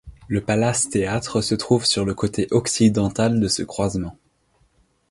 Le Palace Theatre se trouve sur le côté occidental de ce croisement.